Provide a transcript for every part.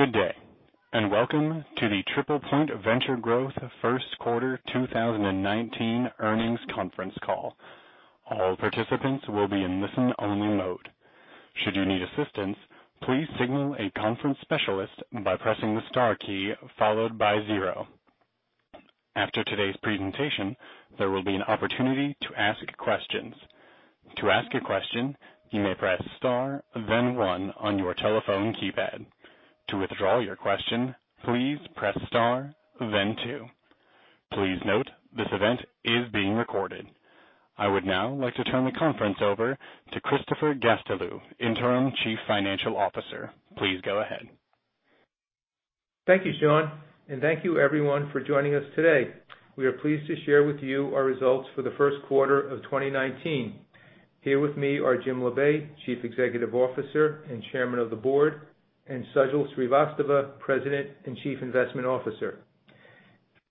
Good day, and welcome to the TriplePoint Venture Growth First Quarter 2019 Earnings Conference Call. All participants will be in listen only mode. Should you need assistance, please signal a conference specialist by pressing the star key followed by zero. After today's presentation, there will be an opportunity to ask questions. To ask a question, you may press star then one on your telephone keypad. To withdraw your question, please press star then two. Please note, this event is being recorded. I would now like to turn the conference over to Christopher Gastelu, Interim Chief Financial Officer. Please go ahead. Thank you, Shawn, and thank you everyone for joining us today. We are pleased to share with you our results for the first quarter of 2019. Here with me are Jim Labe, Chief Executive Officer and Chairman of the Board, and Sajal Srivastava, President and Chief Investment Officer.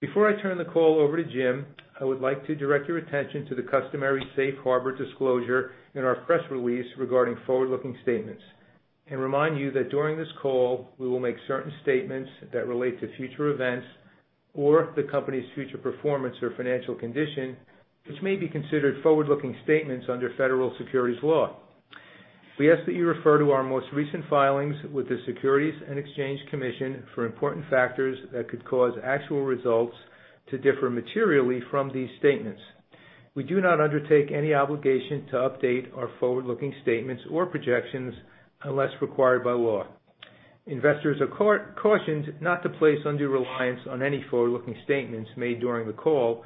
Before I turn the call over to Jim, I would like to direct your attention to the customary safe harbor disclosure in our press release regarding forward-looking statements, and remind you that during this call, we will make certain statements that relate to future events or the company's future performance or financial condition, which may be considered forward-looking statements under federal securities law. We ask that you refer to our most recent filings with the Securities and Exchange Commission for important factors that could cause actual results to differ materially from these statements. We do not undertake any obligation to update our forward-looking statements or projections unless required by law. Investors are cautioned not to place undue reliance on any forward-looking statements made during the call,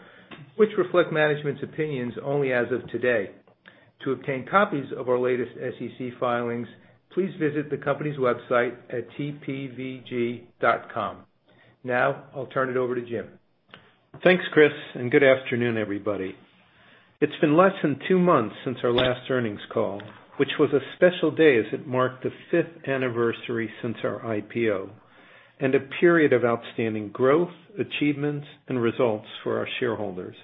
which reflect management's opinions only as of today. To obtain copies of our latest SEC filings, please visit the company's website at tpvg.com. Now, I'll turn it over to Jim. Thanks, Chris, and good afternoon, everybody. It's been less than two months since our last earnings call, which was a special day as it marked the fifth anniversary since our IPO, and a period of outstanding growth, achievements, and results for our shareholders.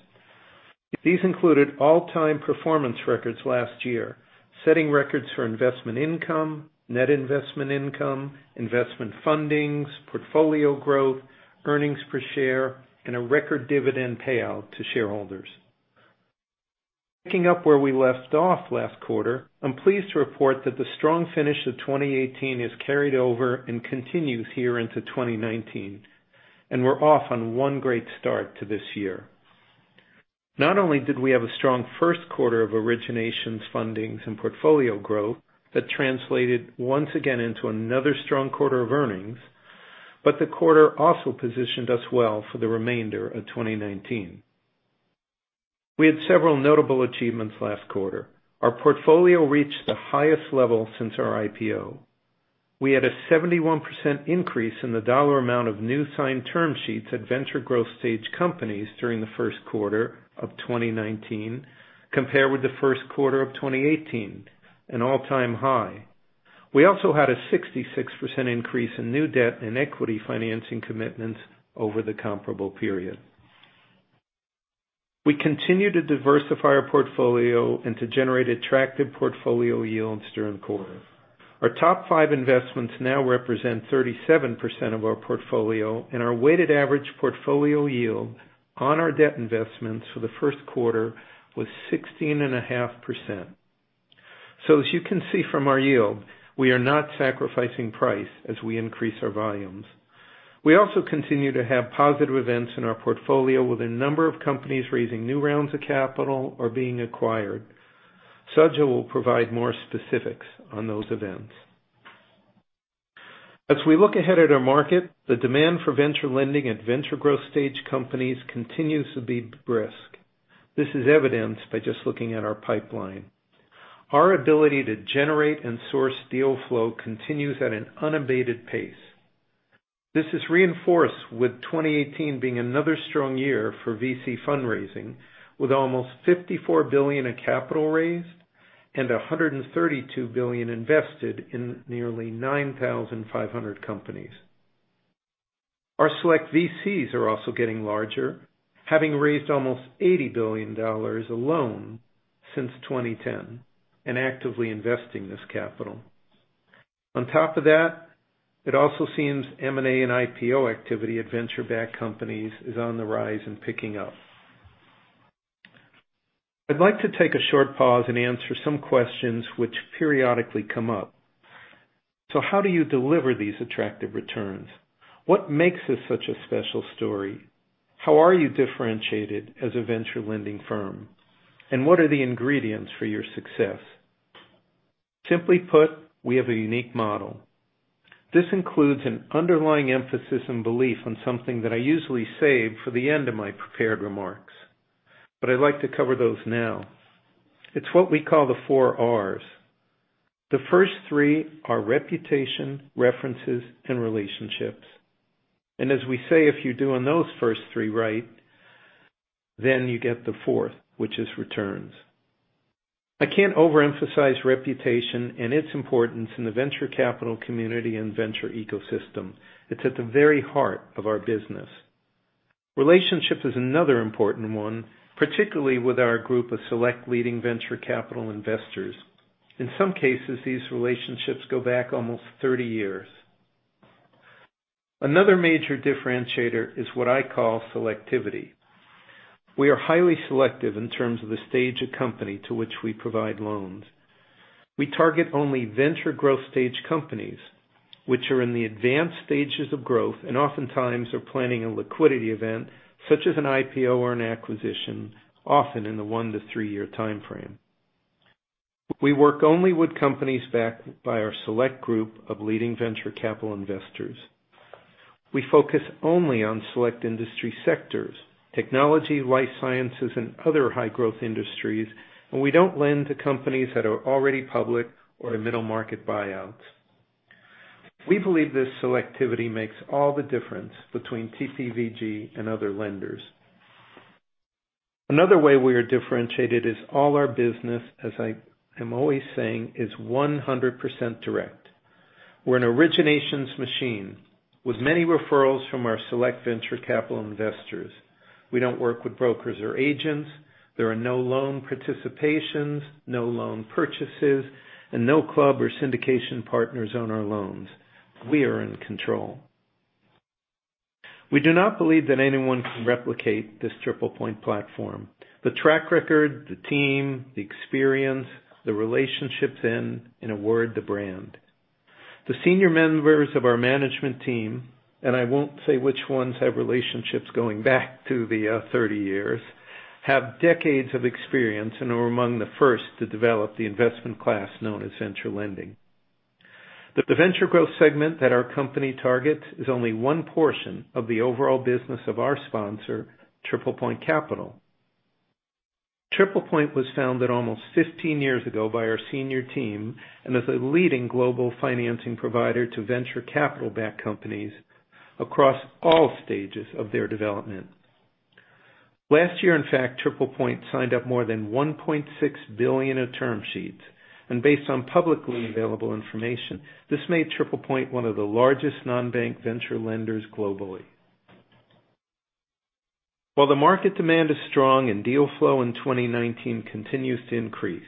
These included all-time performance records last year, setting records for investment income, net investment income, investment fundings, portfolio growth, earnings per share, and a record dividend payout to shareholders. Picking up where we left off last quarter, I'm pleased to report that the strong finish of 2018 has carried over and continues here into 2019, and we're off on one great start to this year. Not only did we have a strong first quarter of originations, fundings, and portfolio growth that translated once again into another strong quarter of earnings, but the quarter also positioned us well for the remainder of 2019. We had several notable achievements last quarter. Our portfolio reached the highest level since our IPO. We had a 71% increase in the dollar amount of new signed term sheets at venture growth stage companies during the first quarter of 2019 compared with the first quarter of 2018, an all-time high. We also had a 66% increase in new debt and equity financing commitments over the comparable period. We continue to diversify our portfolio and to generate attractive portfolio yields during the quarter. Our top five investments now represent 37% of our portfolio, and our weighted average portfolio yield on our debt investments for the first quarter was 16.5%. As you can see from our yield, we are not sacrificing price as we increase our volumes. We also continue to have positive events in our portfolio, with a number of companies raising new rounds of capital or being acquired. Sajal will provide more specifics on those events. As we look ahead at our market, the demand for venture lending at venture growth stage companies continues to be brisk. This is evidenced by just looking at our pipeline. Our ability to generate and source deal flow continues at an unabated pace. This is reinforced with 2018 being another strong year for VC fundraising, with almost $54 billion in capital raised and $132 billion invested in nearly 9,500 companies. Our select VCs are also getting larger, having raised almost $80 billion alone since 2010 and actively investing this capital. On top of that, it also seems M&A and IPO activity at venture-backed companies is on the rise and picking up. I'd like to take a short pause and answer some questions which periodically come up. How do you deliver these attractive returns? What makes this such a special story? How are you differentiated as a venture lending firm? What are the ingredients for your success? Simply put, we have a unique model. This includes an underlying emphasis and belief on something that I usually save for the end of my prepared remarks, but I'd like to cover those now. It's what we call the four Rs. The first three are reputation, references, and relationships, and as we say, if you're doing those first three right, then you get the fourth, which is returns. I can't overemphasize reputation and its importance in the venture capital community and venture ecosystem. It's at the very heart of our business. Relationship is another important one, particularly with our group of select leading venture capital investors. In some cases, these relationships go back almost 30 years. Another major differentiator is what I call selectivity. We are highly selective in terms of the stage of company to which we provide loans. We target only venture growth stage companies which are in the advanced stages of growth and oftentimes are planning a liquidity event, such as an IPO or an acquisition, often in the one to three-year timeframe. We work only with companies backed by our select group of leading venture capital investors. We focus only on select industry sectors, technology, life sciences, and other high-growth industries. We don't lend to companies that are already public or in middle-market buyouts. We believe this selectivity makes all the difference between TPVG and other lenders. Another way we are differentiated is all our business, as I am always saying, is 100% direct. We're an originations machine with many referrals from our select venture capital investors. We don't work with brokers or agents. There are no loan participations, no loan purchases, and no club or syndication partners on our loans. We are in control. We do not believe that anyone can replicate this TriplePoint platform. The track record, the team, the experience, the relationships, and in a word, the brand. The senior members of our management team, and I won't say which ones have relationships going back to the 30 years, have decades of experience and are among the first to develop the investment class known as venture lending. The venture growth segment that our company targets is only one portion of the overall business of our sponsor, TriplePoint Capital. TriplePoint was founded almost 15 years ago by our senior team and is a leading global financing provider to venture capital-backed companies across all stages of their development. Last year, in fact, TriplePoint signed up more than $1.6 billion of term sheets, based on publicly available information, this made TriplePoint one of the largest non-bank venture lenders globally. While the market demand is strong and deal flow in 2019 continues to increase,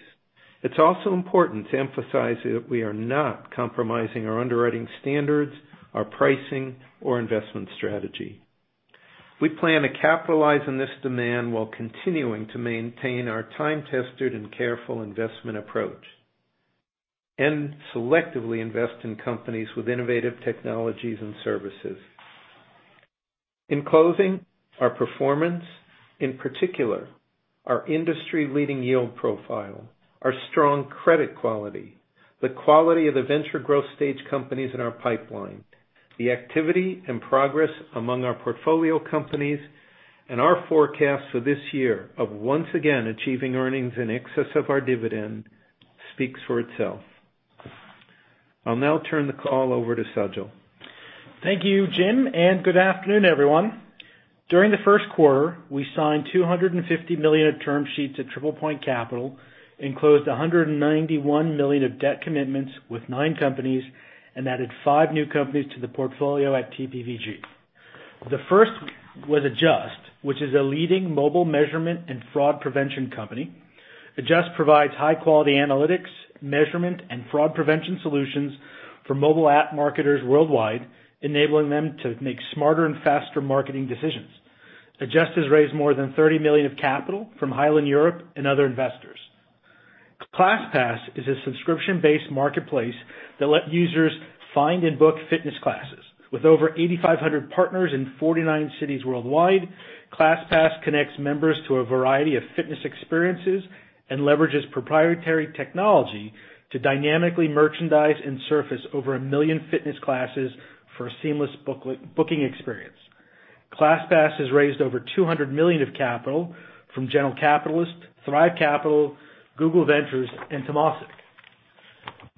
it's also important to emphasize that we are not compromising our underwriting standards, our pricing or investment strategy. We plan to capitalize on this demand while continuing to maintain our time-tested and careful investment approach and selectively invest in companies with innovative technologies and services. In closing, our performance, in particular, our industry-leading yield profile, our strong credit quality, the quality of the venture growth stage companies in our pipeline, the activity and progress among our portfolio companies and our forecast for this year of once again achieving earnings in excess of our dividend speaks for itself. I'll now turn the call over to Sajal. Thank you, Jim, and good afternoon, everyone. During the first quarter, we signed $250 million of term sheets at TriplePoint Capital and closed $191 million of debt commitments with nine companies and added five new companies to the portfolio at TPVG. The first was Adjust, which is a leading mobile measurement and fraud prevention company. Adjust provides high-quality analytics, measurement, and fraud prevention solutions for mobile app marketers worldwide, enabling them to make smarter and faster marketing decisions. Adjust has raised more than $30 million of capital from Highland Europe and other investors. ClassPass is a subscription-based marketplace that let users find and book fitness classes. With over 8,500 partners in 49 cities worldwide, ClassPass connects members to a variety of fitness experiences and leverages proprietary technology to dynamically merchandise and surface over 1 million fitness classes for a seamless booking experience. ClassPass has raised over $200 million of capital from General Catalyst, Thrive Capital, Google Ventures, and Temasek.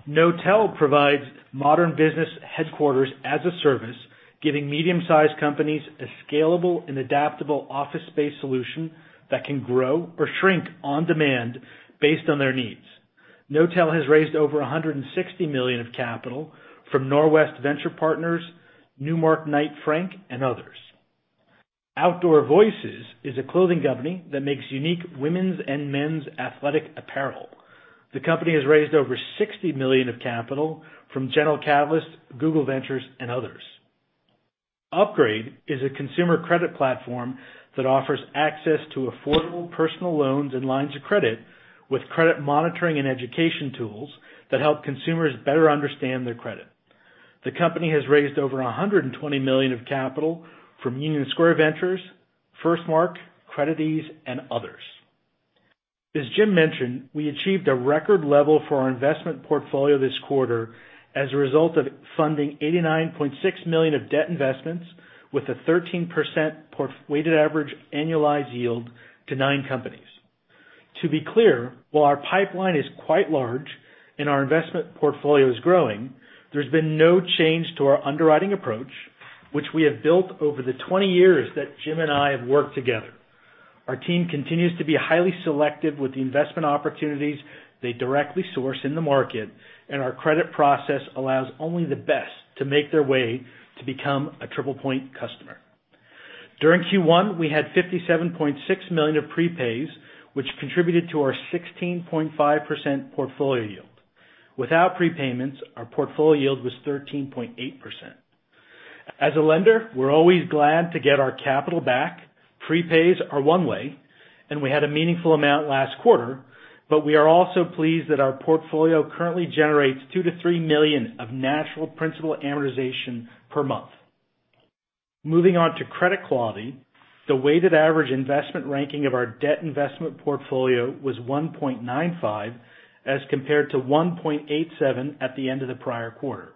Knotel provides modern business headquarters as a service, giving medium-sized companies a scalable and adaptable office space solution that can grow or shrink on demand based on their needs. Knotel has raised over $160 million of capital from Norwest Venture Partners, Newmark Knight Frank, and others. Outdoor Voices is a clothing company that makes unique women's and men's athletic apparel. The company has raised over $60 million of capital from General Catalyst, Google Ventures, and others. Upgrade is a consumer credit platform that offers access to affordable personal loans and lines of credit with credit monitoring and education tools that help consumers better understand their credit. The company has raised over $120 million of capital from Union Square Ventures, FirstMark, CreditEase, and others. As Jim mentioned, we achieved a record level for our investment portfolio this quarter as a result of funding $89.6 million of debt investments with a 13% weighted average annualized yield to nine companies. To be clear, while our pipeline is quite large and our investment portfolio is growing, there has been no change to our underwriting approach, which we have built over the 20 years that Jim and I have worked together. Our team continues to be highly selective with the investment opportunities they directly source in the market, and our credit process allows only the best to make their way to become a TriplePoint customer. During Q1, we had $57.6 million of prepays, which contributed to our 16.5% portfolio yield. Without prepayments, our portfolio yield was 13.8%. As a lender, we are always glad to get our capital back. Prepays are one way. We had a meaningful amount last quarter. We are also pleased that our portfolio currently generates $2 million to $3 million of natural principal amortization per month. Moving on to credit quality. The weighted average investment ranking of our debt investment portfolio was 1.95 as compared to 1.87 at the end of the prior quarter.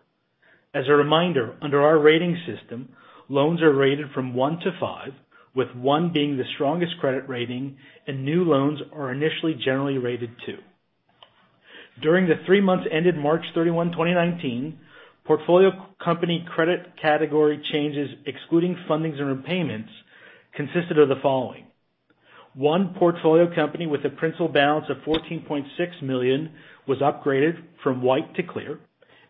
As a reminder, under our rating system, loans are rated from one to five, with one being the strongest credit rating, and new loans are initially generally rated two. During the three months ended March 31, 2019, portfolio company credit category changes, excluding fundings and repayments, consisted of the following. One portfolio company with a principal balance of $14.6 million was upgraded from white to clear,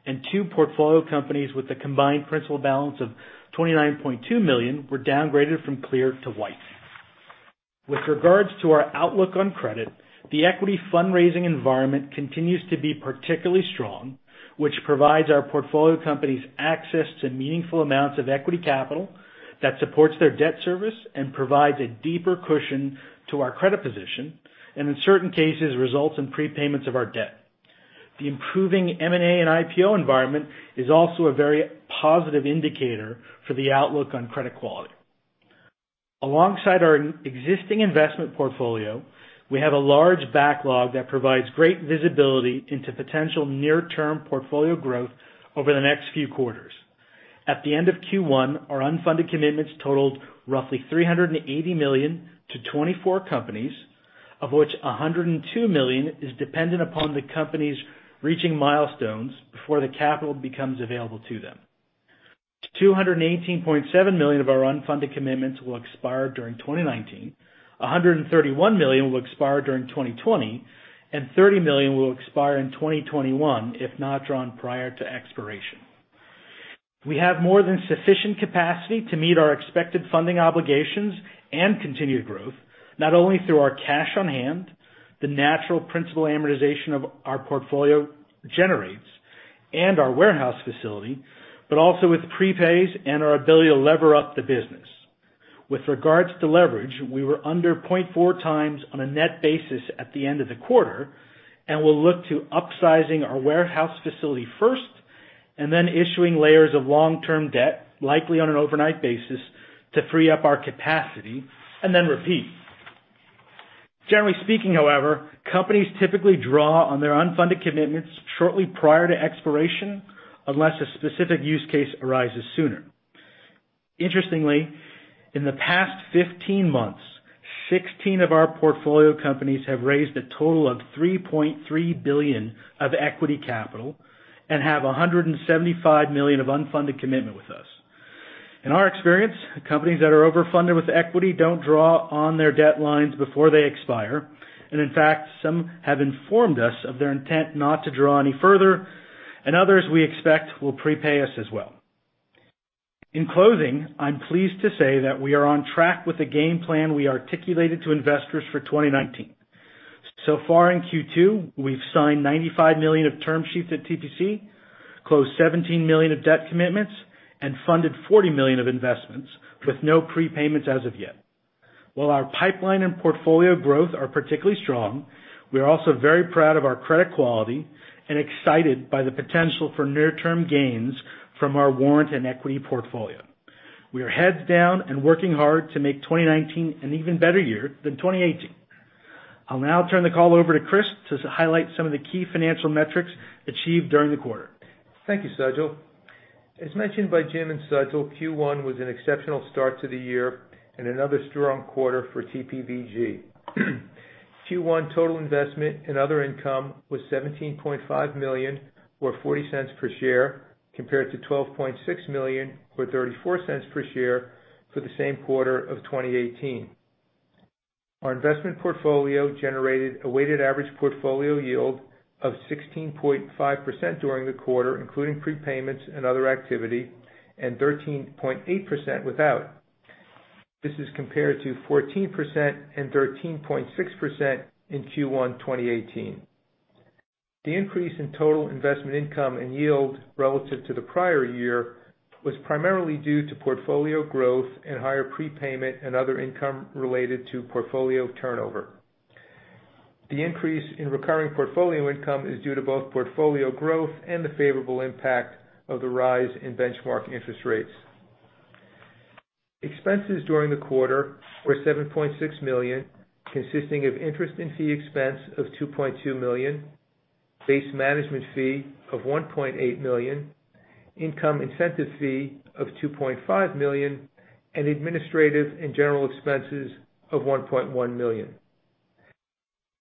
and two portfolio companies with a combined principal balance of $29.2 million were downgraded from clear to white. With regards to our outlook on credit, the equity fundraising environment continues to be particularly strong, which provides our portfolio companies access to meaningful amounts of equity capital that supports their debt service and provides a deeper cushion to our credit position, and in certain cases, results in prepayments of our debt. The improving M&A and IPO environment is also a very positive indicator for the outlook on credit quality. Alongside our existing investment portfolio, we have a large backlog that provides great visibility into potential near-term portfolio growth over the next few quarters. At the end of Q1, our unfunded commitments totaled roughly $380 million to 24 companies, of which $102 million is dependent upon the companies reaching milestones before the capital becomes available to them. $218.7 million of our unfunded commitments will expire during 2019. $131 million will expire during 2020. $30 million will expire in 2021 if not drawn prior to expiration. We have more than sufficient capacity to meet our expected funding obligations and continued growth, not only through our cash on hand, the natural principal amortization of our portfolio generates, our warehouse facility, but also with prepays and our ability to lever up the business. With regards to leverage, we were under 0.4 times on a net basis at the end of the quarter. We will look to upsizing our warehouse facility first, then issuing layers of long-term debt, likely on an overnight basis, to free up our capacity, then repeat. Generally speaking, however, companies typically draw on their unfunded commitments shortly prior to expiration unless a specific use case arises sooner. Interestingly, in the past 15 months, 16 of our portfolio companies have raised a total of $3.3 billion of equity capital and have $175 million of unfunded commitments with us. In our experience, companies that are overfunded with equity don't draw on their debt lines before they expire. In fact, some have informed us of their intent not to draw any further, and others we expect will prepay us as well. In closing, I'm pleased to say that we are on track with the game plan we articulated to investors for 2019. So far in Q2, we've signed $95 million of term sheets at TPC, closed $17 million of debt commitments, and funded $40 million of investments with no prepayments as of yet. While our pipeline and portfolio growth are particularly strong, we are also very proud of our credit quality and excited by the potential for near-term gains from our warrant and equity portfolio. We are heads down and working hard to make 2019 an even better year than 2018. I'll now turn the call over to Chris to highlight some of the key financial metrics achieved during the quarter. Thank you, Sajal. As mentioned by Jim and Sajal, Q1 was an exceptional start to the year and another strong quarter for TPVG. Q1 total investment and other income was $17.5 million or $0.40 per share compared to $12.6 million or $0.34 per share for the same quarter of 2018. Our investment portfolio generated a weighted average portfolio yield of 16.5% during the quarter, including prepayments and other activity, and 13.8% without. This is compared to 14% and 13.6% in Q1 2018. The increase in total investment income and yield relative to the prior year was primarily due to portfolio growth and higher prepayment and other income related to portfolio turnover. The increase in recurring portfolio income is due to both portfolio growth and the favorable impact of the rise in benchmark interest rates. Expenses during the quarter were $7.6 million, consisting of interest and fee expense of $2.2 million, base management fee of $1.8 million, income incentive fee of $2.5 million, and administrative and general expenses of $1.1 million.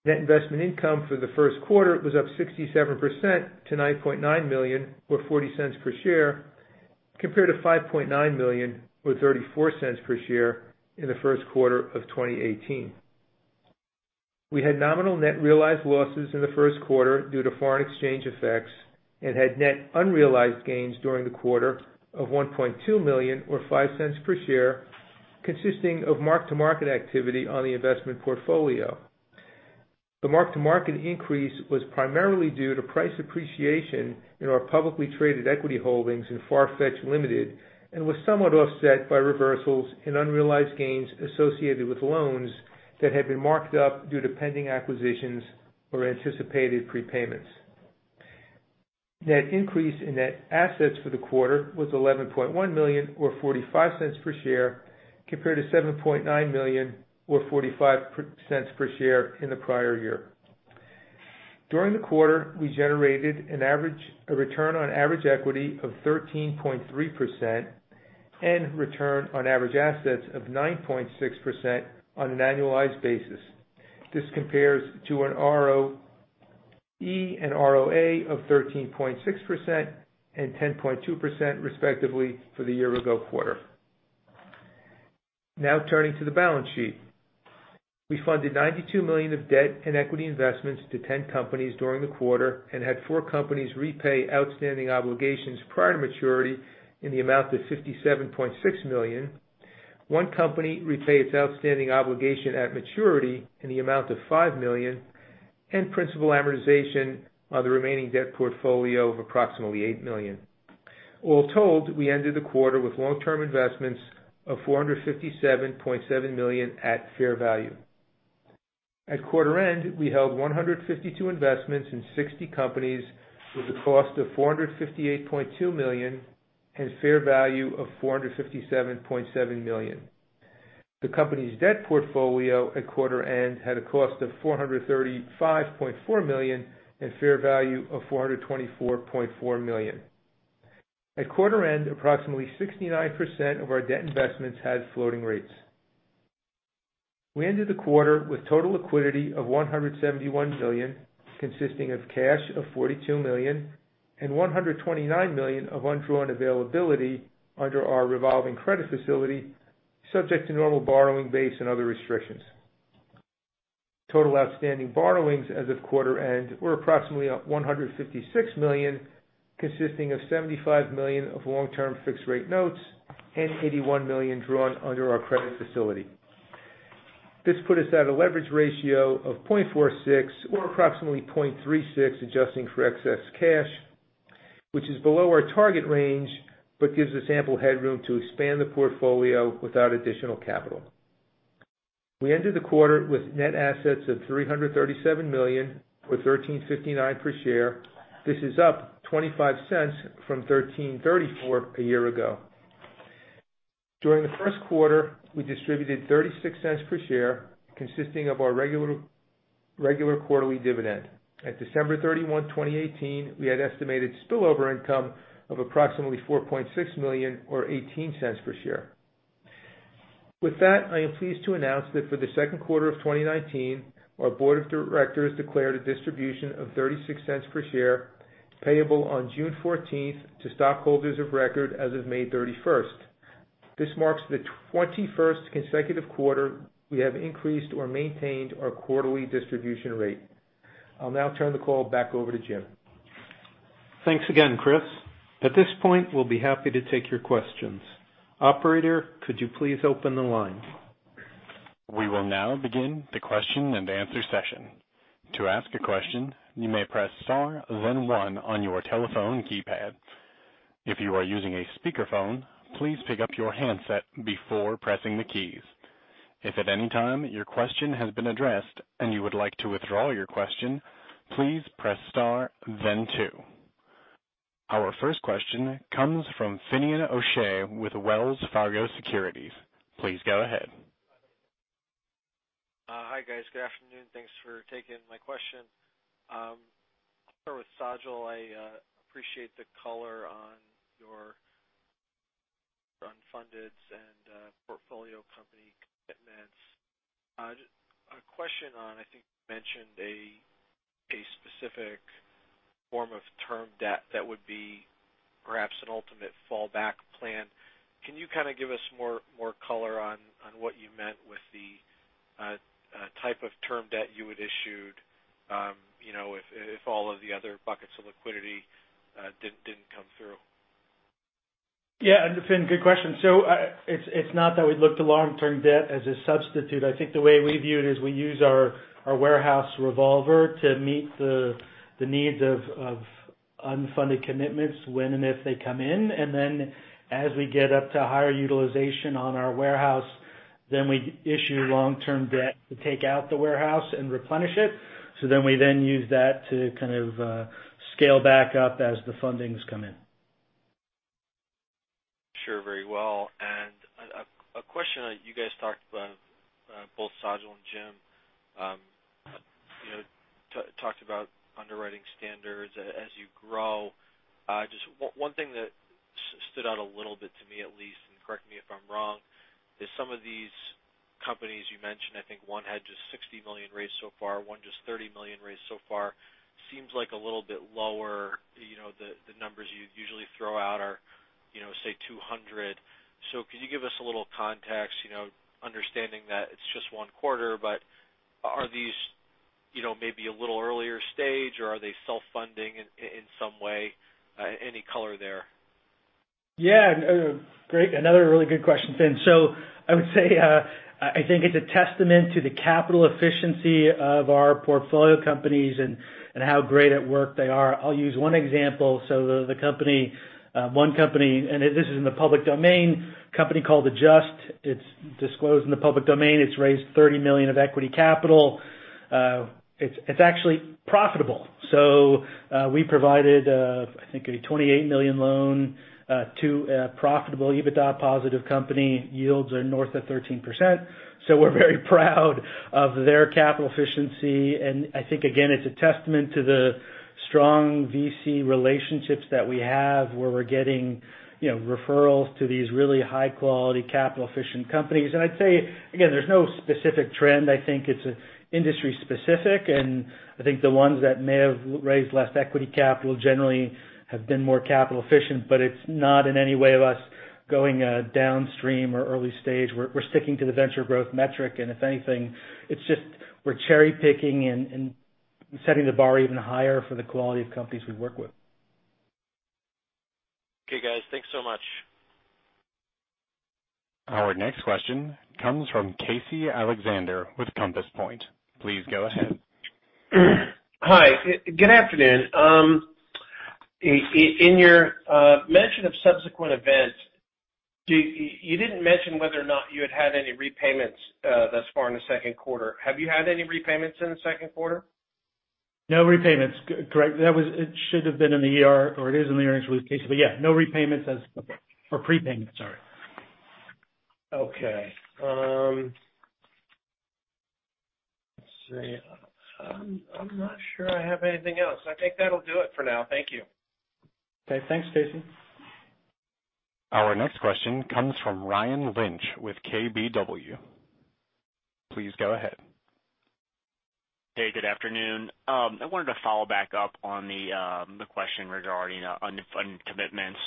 Net investment income for the first quarter was up 67% to $9.9 million, or $0.40 per share, compared to $5.9 million or $0.34 per share in the first quarter of 2018. We had nominal net realized losses in the first quarter due to foreign exchange effects and had net unrealized gains during the quarter of $1.2 million or $0.05 per share, consisting of mark-to-market activity on the investment portfolio. The mark-to-market increase was primarily due to price appreciation in our publicly traded equity holdings in Farfetch Limited and was somewhat offset by reversals in unrealized gains associated with loans that had been marked up due to pending acquisitions or anticipated prepayments. Net increase in net assets for the quarter was $11.1 million or $0.45 per share, compared to $7.9 million or $0.45 per share in the prior year. During the quarter, we generated a return on average equity of 13.3% and return on average assets of 9.6% on an annualized basis. This compares to an ROE and ROA of 13.6% and 10.2%, respectively, for the year ago quarter. Turning to the balance sheet. We funded $92 million of debt and equity investments to 10 companies during the quarter and had four companies repay outstanding obligations prior to maturity in the amount of $57.6 million. One company repay its outstanding obligation at maturity in the amount of $5 million and principal amortization on the remaining debt portfolio of approximately $8 million. All told, we ended the quarter with long-term investments of $457.7 million at fair value. At quarter end, we held 152 investments in 60 companies with a cost of $458.2 million and fair value of $457.7 million. The company's debt portfolio at quarter end had a cost of $435.4 million and fair value of $424.4 million. At quarter end, approximately 69% of our debt investments had floating rates. We ended the quarter with total liquidity of $171 million, consisting of cash of $42 million and $129 million of undrawn availability under our revolving credit facility, subject to normal borrowing base and other restrictions. Total outstanding borrowings as of quarter end were approximately $156 million, consisting of $75 million of long-term fixed rate notes and $81 million drawn under our credit facility. This put us at a leverage ratio of 0.46 or approximately 0.36, adjusting for excess cash, which is below our target range, gives us ample headroom to expand the portfolio without additional capital. We ended the quarter with net assets of $337 million or $13.59 per share. This is up $0.25 from $13.34 a year ago. During the first quarter, we distributed $0.36 per share, consisting of our regular quarterly dividend. At December 31, 2018, we had estimated spillover income of approximately $4.6 million or $0.18 per share. With that, I am pleased to announce that for the second quarter of 2019, our board of directors declared a distribution of $0.36 per share, payable on June 14th to stockholders of record as of May 31st. This marks the 21st consecutive quarter we have increased or maintained our quarterly distribution rate. I'll now turn the call back over to Jim. Thanks again, Chris. At this point, we'll be happy to take your questions. Operator, could you please open the line? We will now begin the question and answer session. To ask a question, you may press star then one on your telephone keypad. If you are using a speakerphone, please pick up your handset before pressing the keys. If at any time your question has been addressed and you would like to withdraw your question, please press star then two. Our first question comes from Finian O'Shea with Wells Fargo Securities. Please go ahead. Hi, guys. Good afternoon. Thanks for taking my question. I'll start with Sajal. I appreciate the color on your unfundeds and portfolio company commitments. A question on, I think you mentioned a specific form of term debt that would be perhaps an ultimate fallback plan. Can you kind of give us more color on what you meant with the type of term debt you had issued if all of the other buckets of liquidity didn't come through? Yeah. Finn, good question. It's not that we looked to long-term debt as a substitute. I think the way we view it is we use our warehouse revolver to meet the needs of unfunded commitments when and if they come in. As we get up to higher utilization on our warehouse, we issue long-term debt to take out the warehouse and replenish it. We then use that to kind of scale back up as the fundings come in. Sure. Very well. A question that you guys talked about, both Sajal and Jim. You know, talked about underwriting standards as you grow. Just one thing that stood out a little bit to me at least, and correct me if I'm wrong, is some of these companies you mentioned, I think one had just $60 million raised so far, one just $30 million raised so far. Seems like a little bit lower. The numbers you'd usually throw out are, say, 200. Could you give us a little context, understanding that it's just one quarter, but are these maybe a little earlier stage or are they self-funding in some way? Any color there? Yeah. Great. Another really good question, Finn. I would say, I think it's a testament to the capital efficiency of our portfolio companies and how great at work they are. I'll use one example. The one company, and this is in the public domain, company called Adjust. It's disclosed in the public domain. It's raised $30 million of equity capital. It's actually profitable. We provided, I think a $28 million loan, to a profitable EBITDA positive company. Yields are north of 13%. We're very proud of their capital efficiency. I think, again, it's a testament to the strong VC relationships that we have where we're getting referrals to these really high-quality, capital-efficient companies. I'd say, again, there's no specific trend. I think it's industry specific, I think the ones that may have raised less equity capital generally have been more capital efficient, it's not in any way us going downstream or early stage. We're sticking to the venture growth metric and if anything, it's just we're cherry-picking and setting the bar even higher for the quality of companies we work with. Okay, guys. Thanks so much. Our next question comes from Casey Alexander with Compass Point. Please go ahead. Hi. Good afternoon. In your mention of subsequent events, you didn't mention whether or not you had any repayments thus far in the second quarter. Have you had any repayments in the second quarter? No repayments. Correct. It should have been in the ER, or it is in the earnings release, Casey. Yeah, no repayments. Okay. Or prepayments, sorry. Okay. Let's see. I'm not sure I have anything else. I think that'll do it for now. Thank you. Okay. Thanks, Casey. Our next question comes from Ryan Lynch with KBW. Please go ahead. Hey, good afternoon. I wanted to follow back up on the question regarding unfunded commitments.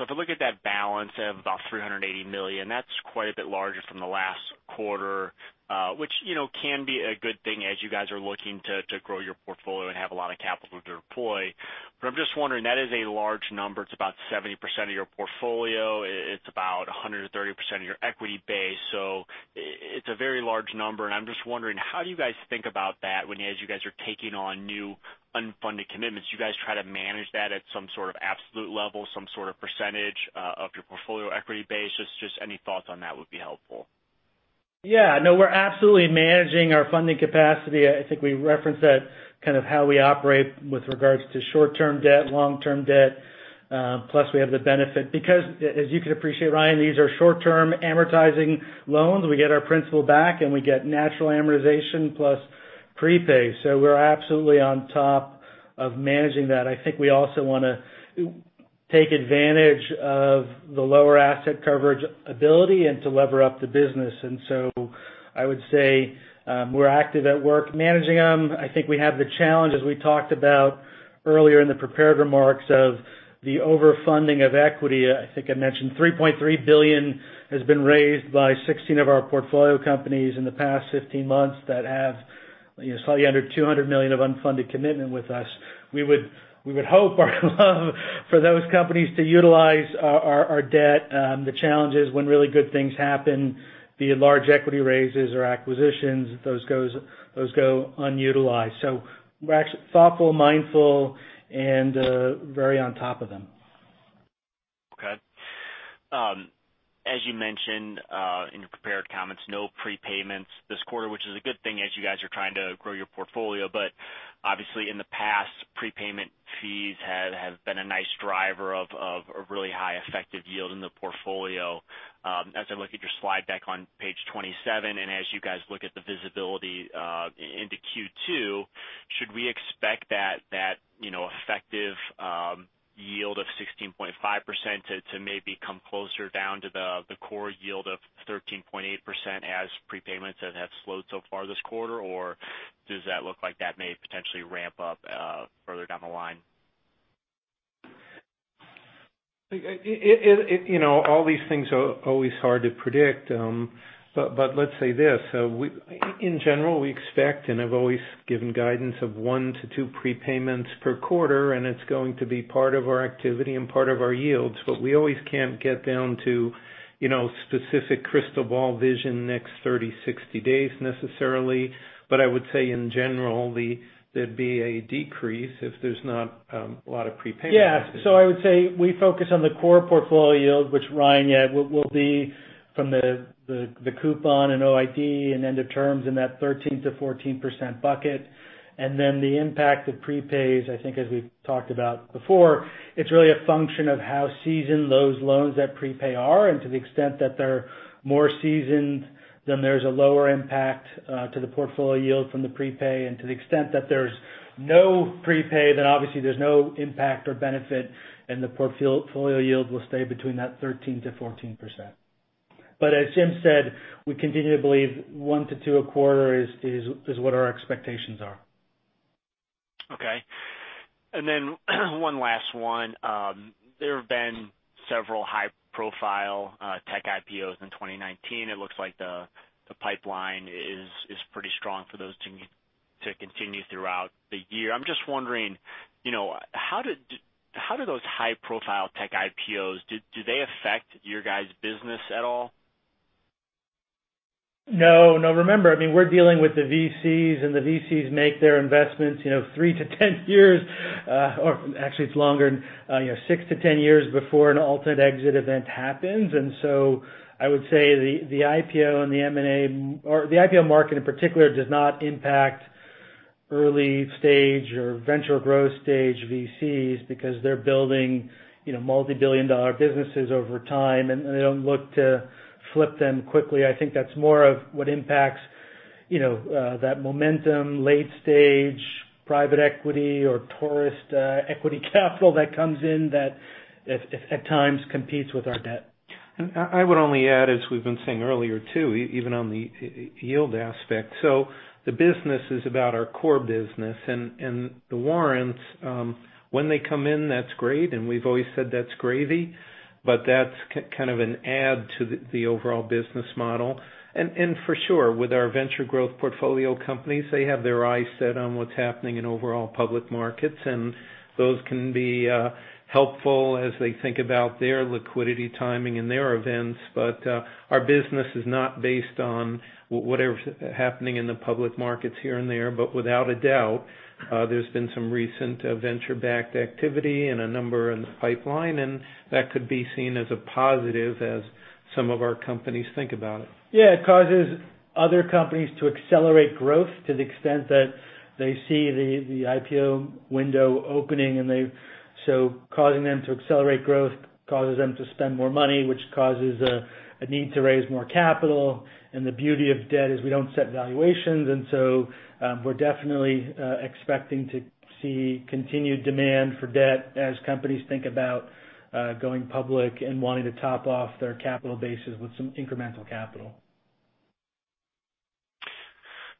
If I look at that balance of about $380 million, that's quite a bit larger from the last quarter. Which can be a good thing as you guys are looking to grow your portfolio and have a lot of capital to deploy. I'm just wondering, that is a large number. It's about 70% of your portfolio. It's about 130% of your equity base. It's a very large number, and I'm just wondering, how do you guys think about that when you guys are taking on new unfunded commitments? Do you guys try to manage that at some sort of absolute level, some sort of percentage of your portfolio equity base? Just any thoughts on that would be helpful. Yeah, no, we're absolutely managing our funding capacity. I think we referenced that kind of how we operate with regards to short-term debt, long-term debt. Plus we have the benefit because as you can appreciate, Ryan, these are short-term amortizing loans. We get our principal back and we get natural amortization plus prepay. We're absolutely on top of managing that. I think we also want to take advantage of the lower asset coverage ability and to lever up the business. I would say, we're active at work managing them. I think we have the challenge, as we talked about earlier in the prepared remarks, of the over-funding of equity. I think I mentioned $3.3 billion has been raised by 16 of our portfolio companies in the past 15 months that have slightly under $200 million of unfunded commitment with us. We would hope for those companies to utilize our debt. The challenge is when really good things happen, be it large equity raises or acquisitions, those go unutilized. We're thoughtful, mindful, and very on top of them. Okay. As you mentioned, in your prepared comments, no prepayments this quarter, which is a good thing as you guys are trying to grow your portfolio. Obviously in the past, prepayment fees have been a nice driver of a really high effective yield in the portfolio. As I look at your slide deck on page 27, as you guys look at the visibility into Q2, should we expect that effective yield of 16.5% to maybe come closer down to the core yield of 13.8% as prepayments have slowed so far this quarter? Does that look like that may potentially ramp up further down the line? All these things are always hard to predict. Let's say this. In general, we expect, and I've always given guidance of one to two prepayments per quarter, and it's going to be part of our activity and part of our yields. We always can't get down to specific crystal ball vision next 30, 60 days necessarily. I would say in general, there'd be a decrease if there's not a lot of prepayments. Yeah. I would say we focus on the core portfolio yield, which Ryan, yeah, will be from the coupon and OID and end of terms in that 13%-14% bucket. Then the impact of prepays, I think as we've talked about before, it's really a function of how seasoned those loans at prepay are. To the extent that they're more seasoned, then there's a lower impact to the portfolio yield from the prepay. To the extent that there's no prepay, then obviously there's no impact or benefit, and the portfolio yield will stay between that 13%-14%. As Jim said, we continue to believe one to two a quarter is what our expectations are. Okay. One last one. There have been several high-profile tech IPOs in 2019. It looks like the pipeline is pretty strong for those to continue throughout the year. I'm just wondering, how do those high-profile tech IPOs, do they affect your guys' business at all? No. Remember, we're dealing with the VCs. The VCs make their investments 3 to 10 years or actually it's longer, 6 to 10 years before an alternate exit event happens. I would say the IPO market in particular does not impact early stage or venture growth stage VCs because they're building multi-billion-dollar businesses over time, and they don't look to flip them quickly. I think that's more of what impacts that momentum, late stage, private equity or tourist equity capital that comes in that at times competes with our debt. I would only add, as we've been saying earlier, too, even on the yield aspect. The business is about our core business. The warrants, when they come in, that's great, and we've always said that's gravy, but that's kind of an add to the overall business model. For sure, with our venture growth portfolio companies, they have their eyes set on what's happening in overall public markets, and those can be helpful as they think about their liquidity timing and their events. Our business is not based on whatever's happening in the public markets here and there. Without a doubt, there's been some recent venture-backed activity and a number in the pipeline, and that could be seen as a positive as some of our companies think about it. Yeah. It causes other companies to accelerate growth to the extent that they see the IPO window opening. Causing them to accelerate growth causes them to spend more money, which causes a need to raise more capital. The beauty of debt is we don't set valuations. We're definitely expecting to see continued demand for debt as companies think about going public and wanting to top off their capital bases with some incremental capital.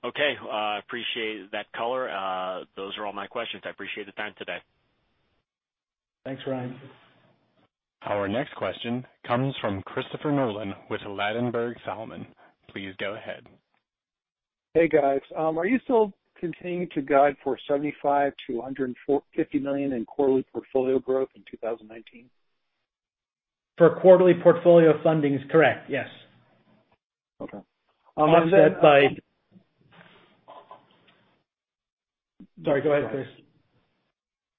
Okay. I appreciate that color. Those are all my questions. I appreciate the time today. Thanks, Ryan. Our next question comes from Christopher Nolan with Ladenburg Thalmann. Please go ahead. Hey, guys. Are you still continuing to guide for $75 million-$150 million in quarterly portfolio growth in 2019? For quarterly portfolio fundings, correct. Yes. Okay. Sorry. Go ahead, Chris.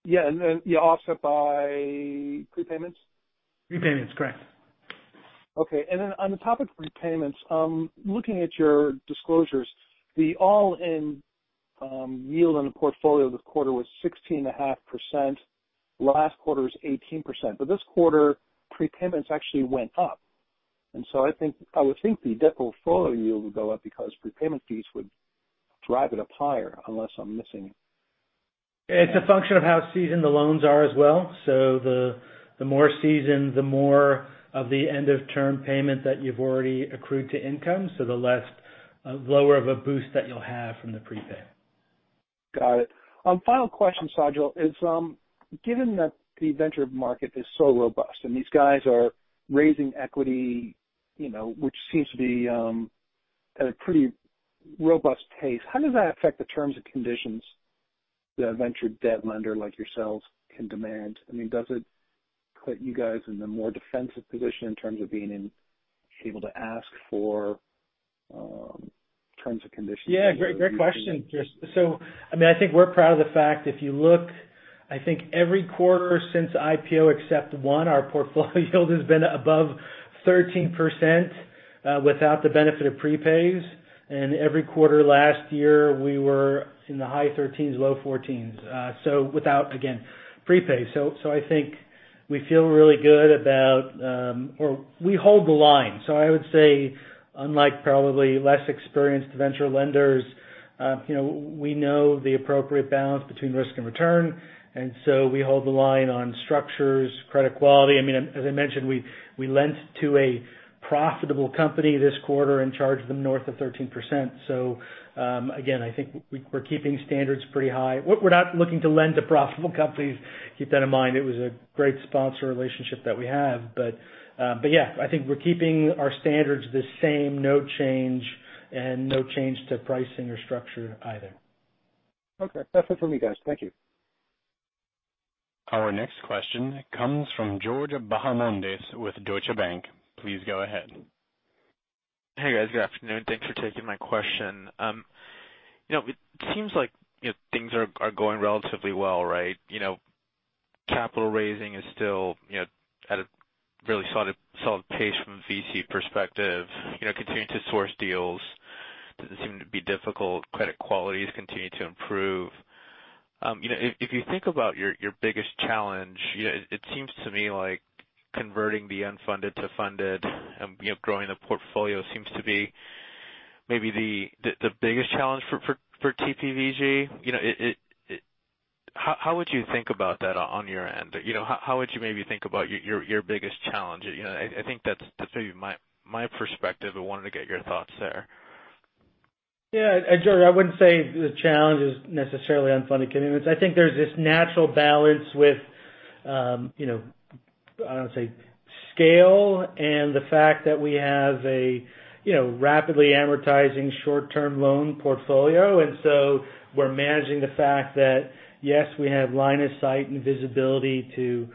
Yeah. Offset by prepayments? Repayments, correct. Okay. On the topic of repayments, looking at your disclosures, the all-in yield on the portfolio this quarter was 16.5%. Last quarter was 18%. This quarter, prepayments actually went up. I would think the debt portfolio yield would go up because prepayment fees would drive it up higher, unless I'm missing it. It's a function of how seasoned the loans are as well. The more seasoned, the more of the end-of-term payment that you've already accrued to income, the less lower of a boost that you'll have from the prepay. Got it. Final question, Sajal, is given that the venture market is so robust and these guys are raising equity, which seems to be at a pretty robust pace, how does that affect the terms and conditions that a venture debt lender like yourselves can demand? Does it put you guys in a more defensive position in terms of being able to ask for terms and conditions? Yeah. Great question, Chris. I think we're proud of the fact, if you look, I think every quarter since IPO except one, our portfolio yield has been above 13% without the benefit of prepays. Every quarter last year, we were in the high 13s, low 14s. Without, again, prepay. I think we feel really good about. Or we hold the line. I would say, unlike probably less experienced venture lenders, we know the appropriate balance between risk and return, we hold the line on structures, credit quality. As I mentioned, we lent to a profitable company this quarter and charged them north of 13%. Again, I think we're keeping standards pretty high. We're not looking to lend to profitable companies, keep that in mind. It was a great sponsor relationship that we have. Yeah, I think we're keeping our standards the same, no change, and no change to pricing or structure either. Okay. That's it for me, guys. Thank you. Our next question comes from George Bahamondes with Deutsche Bank. Please go ahead. Hey, guys. Good afternoon. Thanks for taking my question. It seems like things are going relatively well, right? Capital raising is still at a really solid pace from a VC perspective. Continuing to source deals doesn't seem to be difficult. Credit quality has continued to improve. If you think about your biggest challenge, it seems to me like converting the unfunded to funded and growing the portfolio seems to be maybe the biggest challenge for TPVG. How would you think about that on your end? How would you maybe think about your biggest challenge? I think that's maybe my perspective, wanted to get your thoughts there. George, I wouldn't say the challenge is necessarily unfunded commitments. I think there's this natural balance with, I want to say, scale and the fact that we have a rapidly amortizing short-term loan portfolio. We're managing the fact that, yes, we have line of sight and visibility to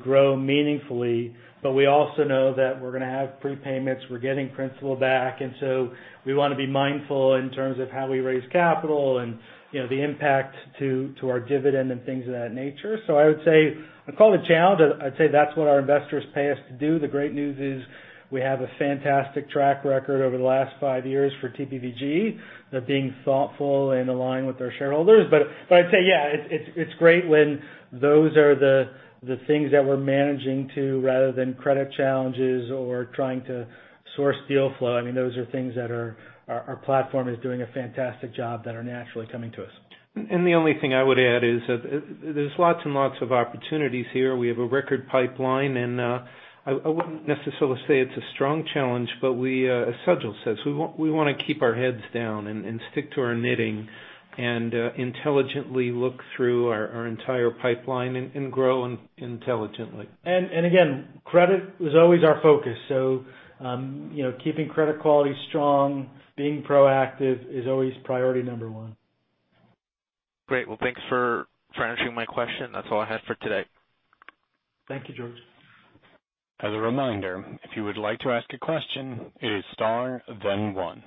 grow meaningfully, but we also know that we're going to have prepayments. We're getting principal back, and so we want to be mindful in terms of how we raise capital and the impact to our dividend and things of that nature. I would say, I call it a challenge. I'd say that's what our investors pay us to do. The great news is we have a fantastic track record over the last five years for TPVG, that being thoughtful and aligned with our shareholders. I'd say, yeah, it's great when those are the things that we're managing to rather than credit challenges or trying to source deal flow. Those are things that our platform is doing a fantastic job that are naturally coming to us. The only thing I would add is that there's lots and lots of opportunities here. We have a record pipeline, and I wouldn't necessarily say it's a strong challenge, but as Sajal says, we want to keep our heads down and stick to our knitting and intelligently look through our entire pipeline and grow intelligently. Again, credit was always our focus. Keeping credit quality strong, being proactive is always priority number one. Great. Well, thanks for answering my question. That's all I have for today. Thank you, George. As a reminder, if you would like to ask a question, it is star then one.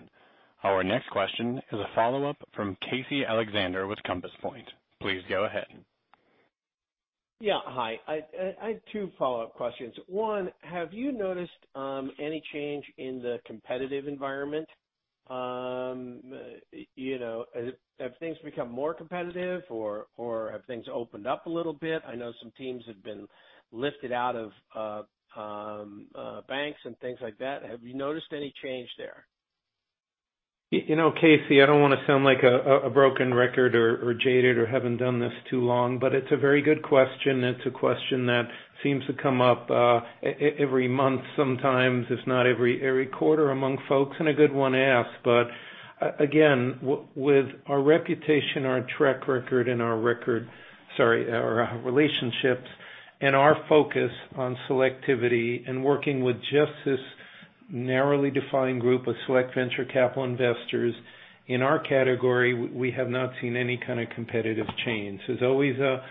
Our next question is a follow-up from Casey Alexander with Compass Point. Please go ahead. Yeah. Hi. I had two follow-up questions. One, have you noticed any change in the competitive environment? Have things become more competitive or have things opened up a little bit? I know some teams have been lifted out of banks and things like that. Have you noticed any change there? Casey, I don't want to sound like a broken record or jaded or having done this too long, it's a very good question. It's a question that seems to come up every month sometimes, if not every quarter among folks, a good one to ask. Again, with our reputation, our track record and our relationships, and our focus on selectivity and working with just this narrowly defined group of select venture capital investors, in our category, we have not seen any kind of competitive change. There's always a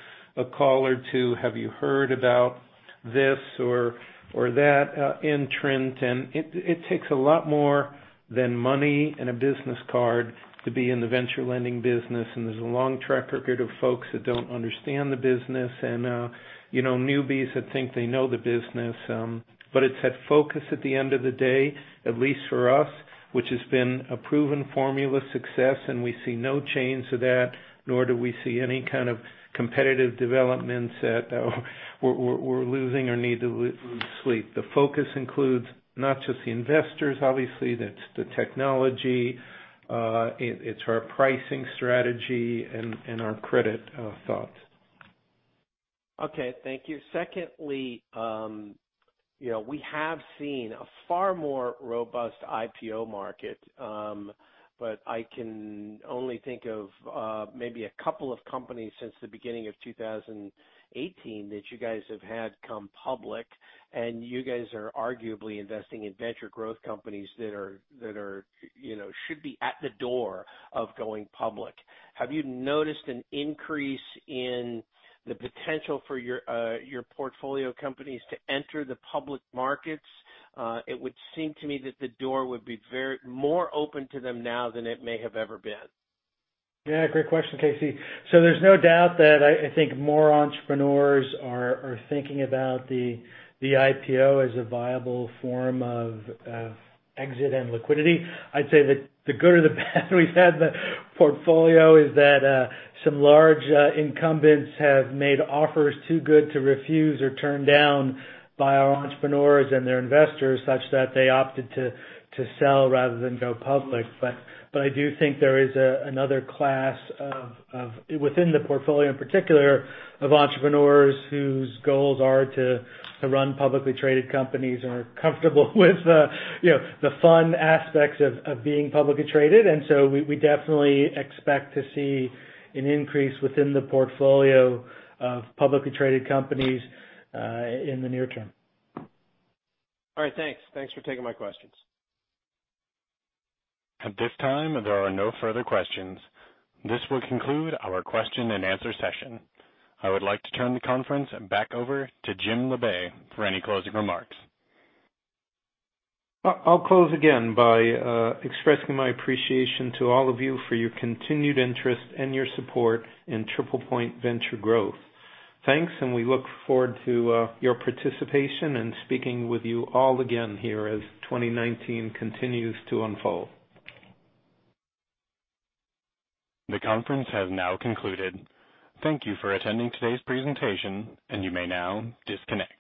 call or two. Have you heard about this or that entrant? It takes a lot more than money and a business card to be in the venture lending business, and there's a long track record of folks that don't understand the business and newbies that think they know the business. It's that focus at the end of the day, at least for us, which has been a proven formula success, and we see no change to that, nor do we see any kind of competitive developments that we're losing or need to lose sleep. The focus includes not just the investors, obviously. That's the technology. It's our pricing strategy and our credit thoughts. Okay. Thank you. Secondly, we have seen a far more robust IPO market. I can only think of maybe a couple of companies since the beginning of 2018 that you guys have had come public, and you guys are arguably investing in venture growth companies that should be at the door of going public. Have you noticed an increase in the potential for your portfolio companies to enter the public markets? It would seem to me that the door would be more open to them now than it may have ever been. Yeah. Great question, Casey. There's no doubt that I think more entrepreneurs are thinking about the IPO as a viable form of exit and liquidity. I'd say the good or the bad we've had in the portfolio is that some large incumbents have made offers too good to refuse or turn down by our entrepreneurs and their investors, such that they opted to sell rather than go public. I do think there is another class of, within the portfolio in particular, of entrepreneurs whose goals are to run publicly traded companies and are comfortable with the fun aspects of being publicly traded. We definitely expect to see an increase within the portfolio of publicly traded companies in the near term. All right. Thanks. Thanks for taking my questions. At this time, there are no further questions. This will conclude our question and answer session. I would like to turn the conference back over to Jim Labe for any closing remarks. I'll close again by expressing my appreciation to all of you for your continued interest and your support in TriplePoint Venture Growth. Thanks, and we look forward to your participation and speaking with you all again here as 2019 continues to unfold. The conference has now concluded. Thank you for attending today's presentation, and you may now disconnect.